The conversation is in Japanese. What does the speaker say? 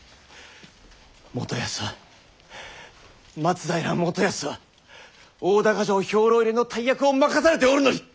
元康は松平元康は大高城兵糧入れの大役を任されておるのに！